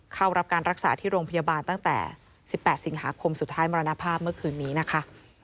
เข้ารับการรักษาที่โรงพยาบาลตั้งแต่๑๘สิงหาคมสุดท้ายมรณภาพเมื่อคืนนี้นะคะ